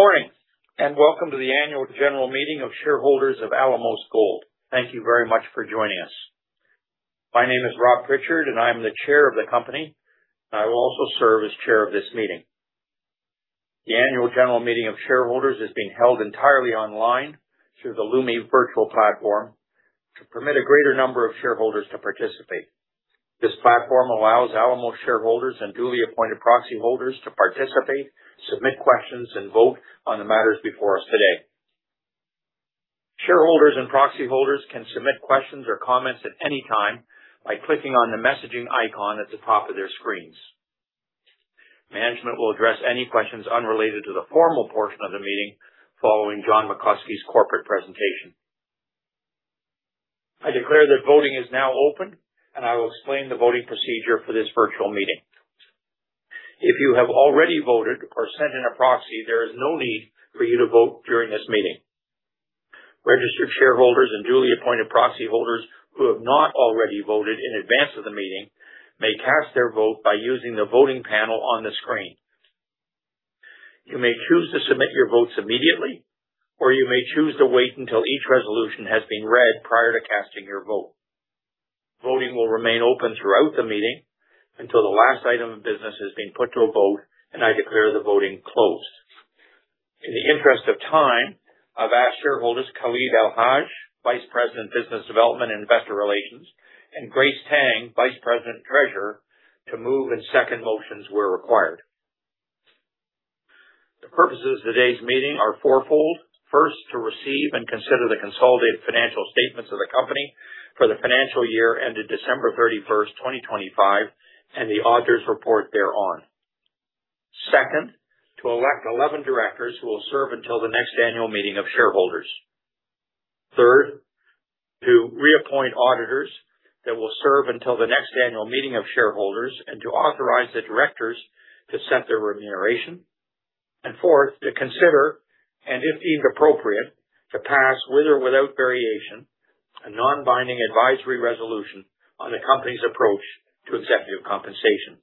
Good morning, and welcome to the annual general meeting of shareholders of Alamos Gold Inc. Thank you very much for joining us. My name is Rob Prichard, and I'm the chair of the company. I will also serve as chair of this meeting. The annual general meeting of shareholders is being held entirely online through the Lumi Virtual Platform to permit a greater number of shareholders to participate. This platform allows Alamos shareholders and duly appointed proxy holders to participate, submit questions, and vote on the matters before us today. Shareholders and proxy holders can submit questions or comments at any time by clicking on the messaging icon at the top of their screens. Management will address any questions unrelated to the formal portion of the meeting following John McCluskey's corporate presentation. I declare that voting is now open, and I will explain the voting procedure for this virtual meeting. If you have already voted or sent in a proxy, there is no need for you to vote during this meeting. Registered shareholders and duly appointed proxy holders who have not already voted in advance of the meeting may cast their vote by using the voting panel on the screen. You may choose to submit your votes immediately, or you may choose to wait until each resolution has been read prior to casting your vote. Voting will remain open throughout the meeting until the last item of business has been put to a vote and I declare the voting closed. In the interest of time, I've asked shareholders Khalid Elhaj, Vice President, Business Development and Investor Relations, and Grace Tang, Vice President and Treasurer, to move and second motions where required. The purposes of today's meeting are fourfold. First, to receive and consider the consolidated financial statements of the company for the financial year ended December 31st, 2025, and the auditor's report thereon. Second, to elect 11 directors who will serve until the next annual meeting of shareholders. Third, to reappoint auditors that will serve until the next annual meeting of shareholders and to authorize the directors to set their remuneration. Fourth, to consider, and if deemed appropriate, to pass, with or without variation, a non-binding advisory resolution on the company's approach to executive compensation.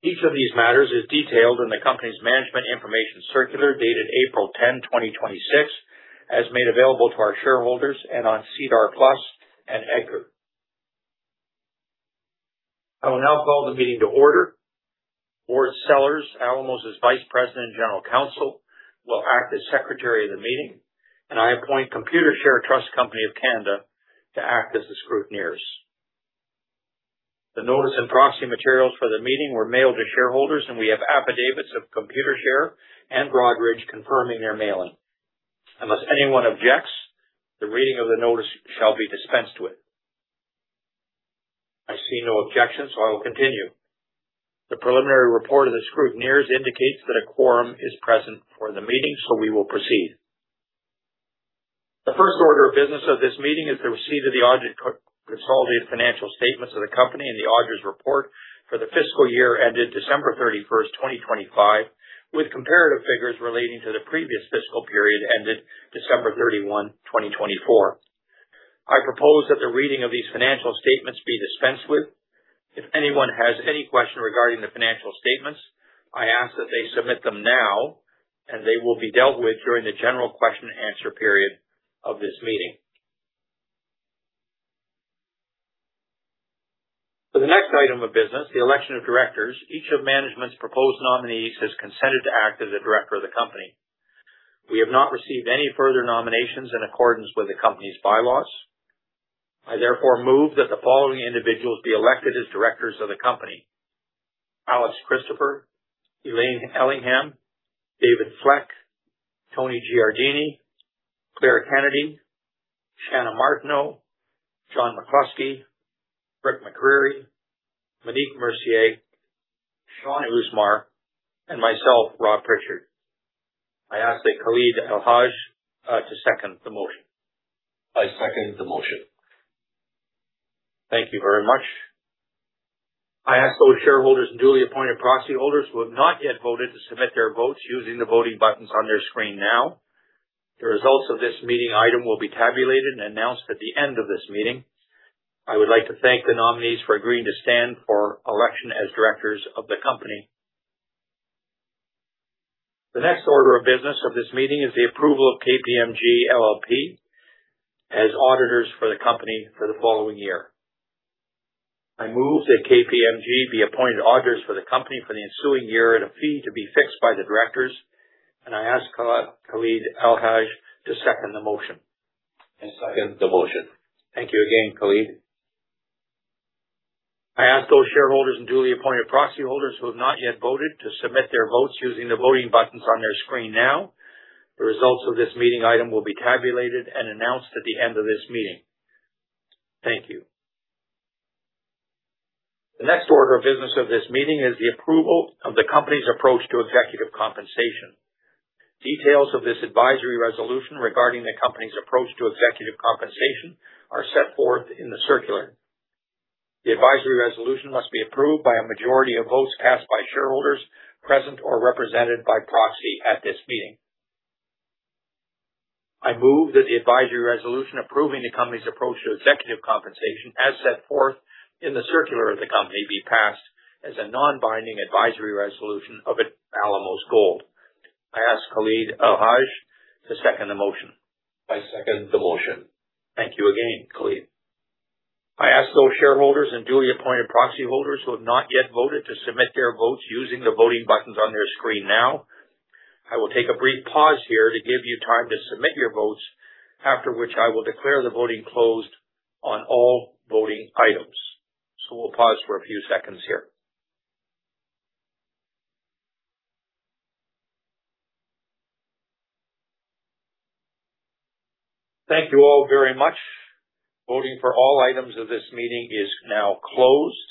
Each of these matters is detailed in the company's management information circular dated April 10, 2026, as made available to our shareholders and on SEDAR+ and EDGAR. I will now call the meeting to order. Ward Sellers, Alamos's Vice President and General Counsel, will act as Secretary of the meeting, and I appoint Computershare Trust Company of Canada to act as the scrutineers. The notice and proxy materials for the meeting were mailed to shareholders, and we have affidavits of Computershare and Broadridge confirming their mailing. Unless anyone objects, the reading of the notice shall be dispensed with. I see no objections, so I will continue. The preliminary report of the scrutineers indicates that a quorum is present for the meeting, so we will proceed. The first order of business of this meeting is to receive the auditor's consolidated financial statements of the company and the auditor's report for the fiscal year ended December 31st, 2025, with comparative figures relating to the previous fiscal period ended December 31st, 2024. I propose that the reading of these financial statements be dispensed with. If anyone has any question regarding the financial statements, I ask that they submit them now, and they will be dealt with during the general question and answer period of this meeting. For the next item of business, the election of directors, each of management's proposed nominees has consented to act as a director of the company. We have not received any further nominations in accordance with the company's bylaws. I therefore move that the following individuals be elected as directors of the company. Alex Christopher, Elaine Ellingham, David Fleck, Tony Giardini, Claire Kennedy, Chana Martineau, John McCluskey, Rick McCreary, Monique Mercier, Shaun Usmar, and myself, Rob Prichard. I ask that Khalid Elhaj to second the motion. I second the motion. Thank you very much. I ask those shareholders and duly appointed proxy holders who have not yet voted to submit their votes using the voting buttons on their screen now. The results of this meeting item will be tabulated and announced at the end of this meeting. I would like to thank the nominees for agreeing to stand for election as directors of the company. The next order of business of this meeting is the approval of KPMG LLP as auditors for the company for the following year. I move that KPMG be appointed auditors for the company for the ensuing year at a fee to be fixed by the directors, and I ask Khalid Elhaj to second the motion. I second the motion. Thank you again, Khalid. I ask those shareholders and duly appointed proxy holders who have not yet voted to submit their votes using the voting buttons on their screen now. The results of this meeting item will be tabulated and announced at the end of this meeting. Thank you. The next order of business of this meeting is the approval of the company's approach to executive compensation. Details of this advisory resolution regarding the company's approach to executive compensation are set forth in the circular. The advisory resolution must be approved by a majority of votes cast by shareholders present or represented by proxy at this meeting. I move that the advisory resolution approving the company's approach to executive compensation, as set forth in the circular of the company, be passed as a non-binding advisory resolution of Alamos Gold. I ask Khalid Elhaj to second the motion. I second the motion. Thank you again, Khalid. I ask those shareholders and duly appointed proxy holders who have not yet voted to submit their votes using the voting buttons on their screen now. I will take a brief pause here to give you time to submit your votes, after which I will declare the voting closed on all voting items. We'll pause for a few seconds here. Thank you all very much. Voting for all items of this meeting is now closed.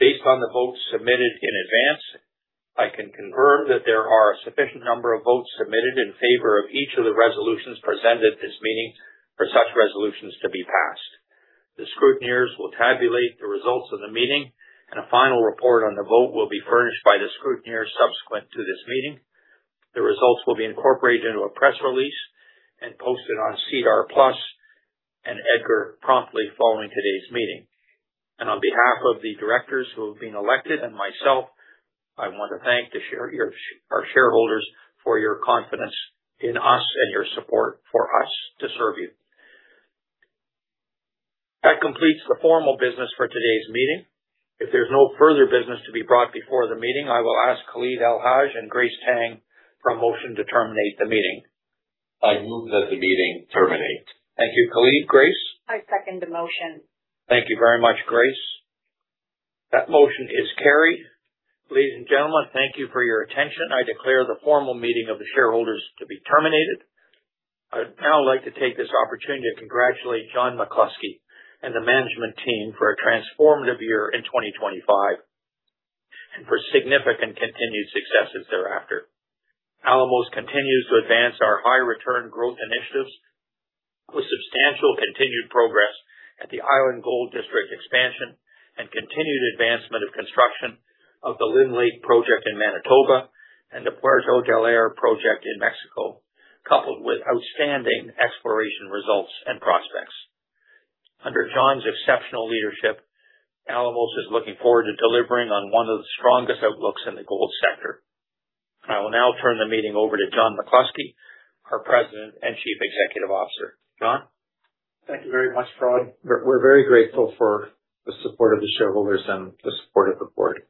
Based on the votes submitted in advance, I can confirm that there are a sufficient number of votes submitted in favor of each of the resolutions presented at this meeting for such resolutions to be passed. The scrutineers will tabulate the results of the meeting, and a final report on the vote will be furnished by the scrutineers subsequent to this meeting. The results will be incorporated into a press release and posted on SEDAR+ and EDGAR promptly following today's meeting. On behalf of the directors who have been elected and myself, I want to thank our shareholders for your confidence in us and your support for us to serve you. That completes the formal business for today's meeting. If there's no further business to be brought before the meeting, I will ask Khalid Elhaj and Grace Tang for a motion to terminate the meeting. I move that the meeting terminate. Thank you, Khalid. Grace? I second the motion. Thank you very much, Grace. That motion is carried. Ladies and gentlemen, thank you for your attention. I declare the formal meeting of the shareholders to be terminated. I'd now like to take this opportunity to congratulate John McCluskey and the management team for a transformative year in 2025 and for significant continued successes thereafter. Alamos continues to advance our high-return growth initiatives with substantial continued progress at the Island Gold District expansion and continued advancement of construction of the Lynn Lake project in Manitoba and the Puerto Del Aire project in Mexico, coupled with outstanding exploration results and prospects. Under John's exceptional leadership, Alamos is looking forward to delivering on one of the strongest outlooks in the gold sector. I will now turn the meeting over to John McCluskey, our President and Chief Executive Officer. John. Thank you very much, Rob. We're very grateful for the support of the shareholders and the support of the board.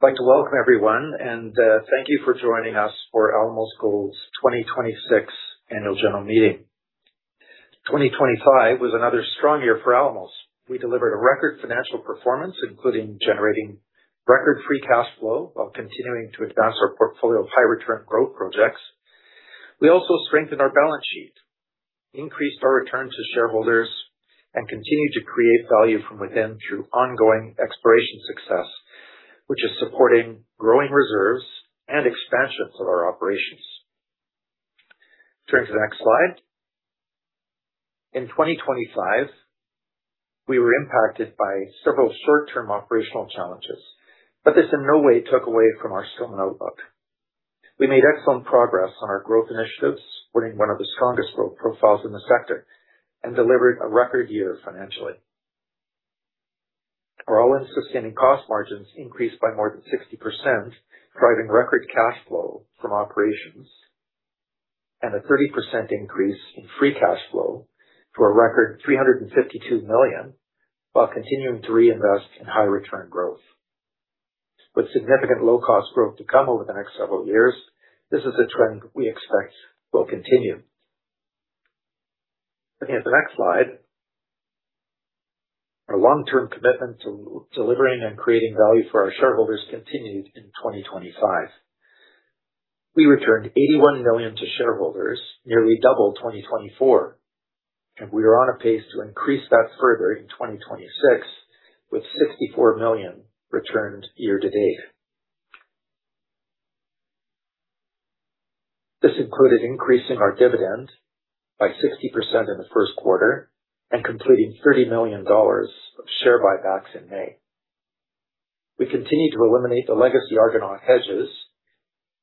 I'd like to welcome everyone and thank you for joining us for Alamos Gold's 2026 Annual General Meeting. 2025 was another strong year for Alamos. We delivered a record financial performance, including generating record free cash flow while continuing to advance our portfolio of high-return growth projects. We also strengthened our balance sheet, increased our return to shareholders, and continued to create value from within through ongoing exploration success, which is supporting growing reserves and expansions of our operations. Turn to the next slide. In 2025, we were impacted by several short-term operational challenges, but this in no way took away from our strong outlook. We made excellent progress on our growth initiatives, supporting one of the strongest growth profiles in the sector, and delivered a record year financially. Our all-in sustaining cost margins increased by more than 60%, driving record cash flow from operations and a 30% increase in free cash flow to a record 352 million while continuing to reinvest in high-return growth. With significant low-cost growth to come over the next several years, this is a trend we expect will continue. Looking at the next slide. Our long-term commitment to delivering and creating value for our shareholders continued in 2025. We returned 81 million to shareholders, nearly double 2024, and we are on a pace to increase that further in 2026, with 64 million returned year to date. This included increasing our dividend by 60% in the first quarter and completing 30 million dollars of share buybacks in May. We continued to eliminate the legacy Argonaut hedges,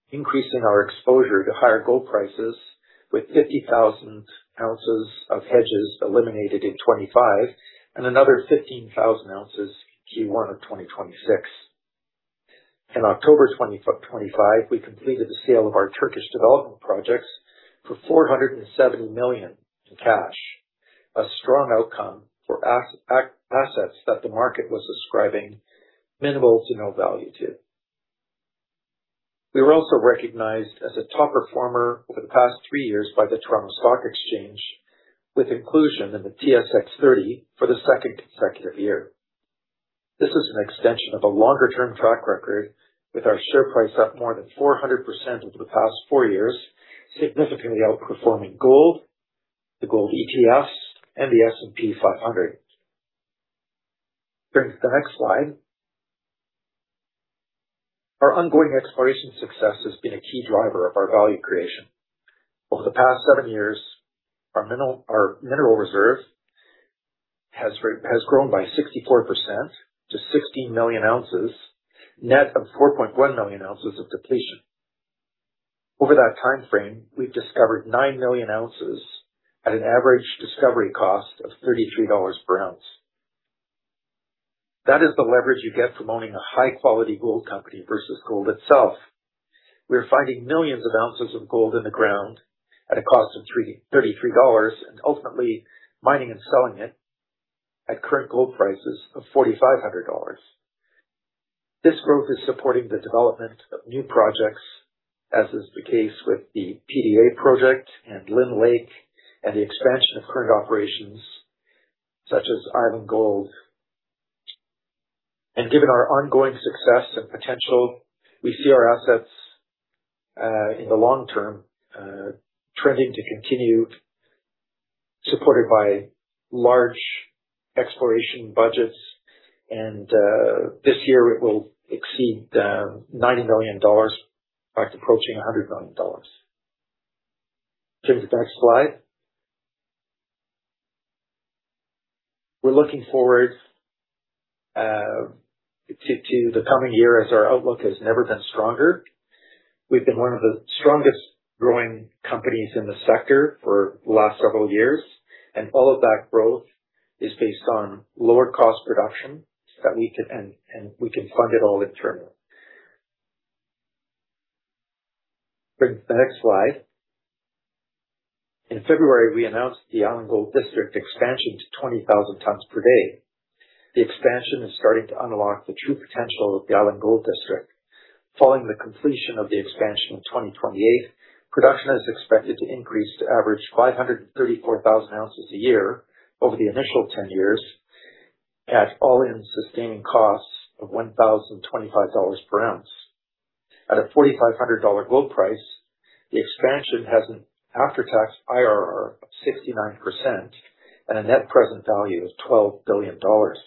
increasing our exposure to higher gold prices with 50,000 oz of hedges eliminated in 2025 and another 15,000 oz in Q1 2026. In October 2025, we completed the sale of our Turkish development projects for 470 million in cash, a strong outcome for assets that the market was ascribing minimal to no value to. We were also recognized as a top performer over the past three years by the Toronto Stock Exchange with inclusion in the TSX30 for the second consecutive year. This is an extension of a longer-term track record with our share price up more than 400% over the past four years, significantly outperforming gold, the gold ETFs, and the S&P 500. Turn to the next slide. Our ongoing exploration success has been a key driver of our value creation. Over the past seven years, our mineral reserves has grown by 64% to 16 million oz, net of 4.1 million ounces of depletion. Over that timeframe, we've discovered 9 million oz at an average discovery cost of 33 dollars per ounce. That is the leverage you get from owning a high-quality gold company versus gold itself. We're finding millions of ounces of gold in the ground at a cost of 33 dollars. Ultimately mining and selling it at current gold prices of 4,500 dollars. This growth is supporting the development of new projects, as is the case with the PDA project and Lynn Lake. The expansion of current operations such as Island Gold. Given our ongoing success and potential, we see our assets, in the long term, trending to continue, supported by large exploration budgets and this year it will exceed 90 million dollars, in fact approaching 100 million dollars. James, next slide. We're looking forward to the coming year as our outlook has never been stronger. We've been one of the strongest growing companies in the sector for the last several years, and all of that growth is based on lower cost production, and we can fund it all internally. Bring the next slide. In February, we announced the Island Gold District expansion to 20,000 tons per day. The expansion is starting to unlock the true potential of the Island Gold District. Following the completion of the expansion in 2028, production is expected to increase to average 534,000 oz a year over the initial 10 years at all-in sustaining costs of 1,025 dollars per ounce. At a 4,500 dollar gold price, the expansion has an after-tax IRR of 69% and a net present value of 12 billion dollars.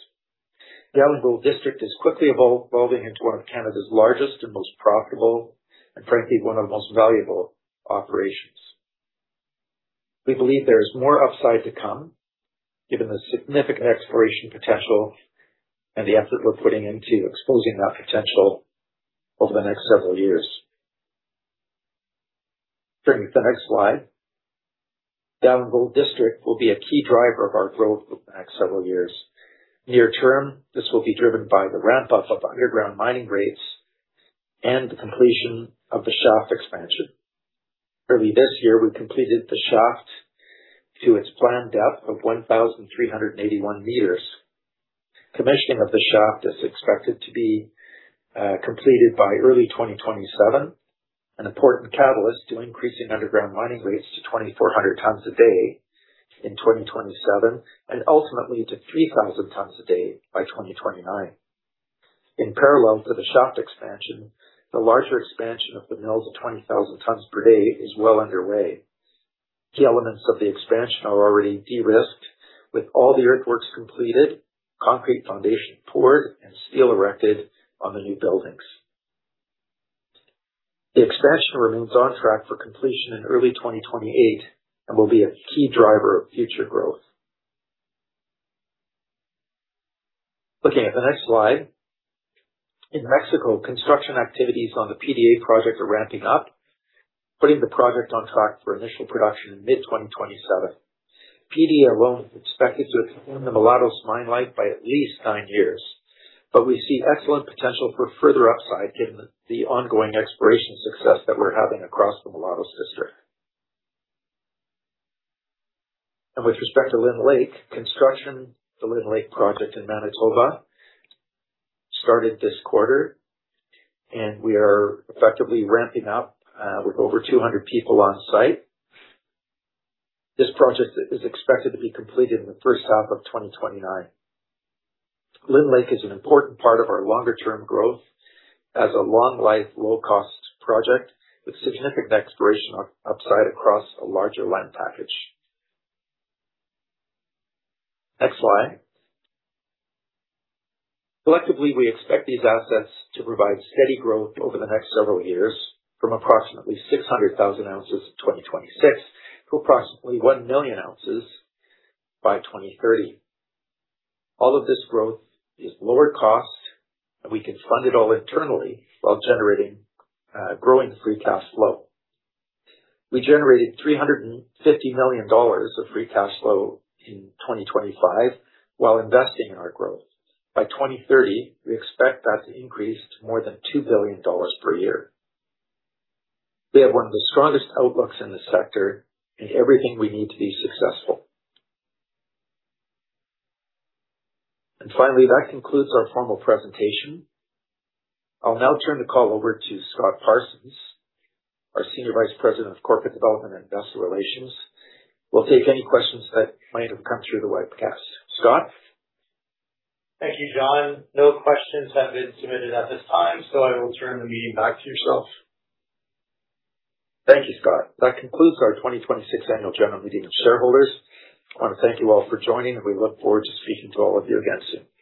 The Island Gold District is quickly evolving into one of Canada's largest and most profitable, and frankly, one of the most valuable operations. We believe there is more upside to come given the significant exploration potential and the effort we're putting into exposing that potential over the next several years. Bring the next slide. The Island Gold District will be a key driver of our growth for the next several years. Near term, this will be driven by the ramp-up of underground mining rates and the completion of the shaft expansion. Early this year, we completed the shaft to its planned depth of 1,381 m. Commissioning of the shaft is expected to be completed by early 2027, an important catalyst to increasing underground mining rates to 2,400 tons a day in 2027 and ultimately to 3,000 tons a day by 2029. In parallel to the shaft expansion, the larger expansion of the mill to 20,000 tons per day is well underway. Key elements of the expansion are already de-risked. With all the earthworks completed, concrete foundation poured, and steel erected on the new buildings. The expansion remains on track for completion in early 2028 and will be a key driver of future growth. Looking at the next slide. In Mexico, construction activities on the PDA project are ramping up, putting the project on track for initial production in mid-2027. PDA alone is expected to extend the Mulatos Mine life by at least nine years. We see excellent potential for further upside given the ongoing exploration success that we're having across the Mulatos District. With respect to Lynn Lake, construction of the Lynn Lake project in Manitoba started this quarter, and we are effectively ramping up with over 200 people on site. This project is expected to be completed in the first half of 2029. Lynn Lake is an important part of our longer term growth as a long life, low-cost project with significant exploration upside across a larger land package. Next slide. Collectively, we expect these assets to provide steady growth over the next several years from approximately 600,000 ounces in 2026 to approximately one million ounces by 2030. All of this growth is lower cost, and we can fund it all internally while generating growing free cash flow. We generated 350 million dollars of free cash flow in 2025 while investing in our growth. By 2030, we expect that to increase to more than 2 billion dollars per year. We have one of the strongest outlooks in the sector and everything we need to be successful. Finally, that concludes our formal presentation. I'll now turn the call over to Scott Parsons, our Senior Vice President of Corporate Development and Investor Relations, who will take any questions that might have come through the webcast. Scott? Thank you, John. No questions have been submitted at this time, so I will turn the meeting back to yourself. Thank you, Scott. That concludes our 2026 annual general meeting of shareholders. I want to thank you all for joining, and we look forward to speaking to all of you again soon.